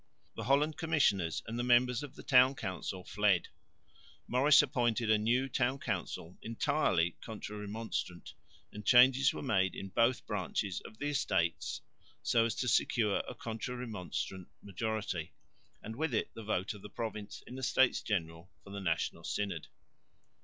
The Holland commissioners and the members of the town council fled. Maurice appointed a new town council entirely Contra Remonstrant; and changes were made in both branches of the Estates, so as to secure a Contra Remonstrant majority and with it the vote of the province in the States General for the National Synod.